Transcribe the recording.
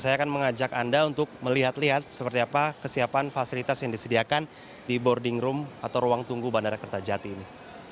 saya akan mengajak anda untuk melihat lihat seperti apa kesiapan fasilitas yang disediakan di boarding room atau ruang tunggu bandara kertajati ini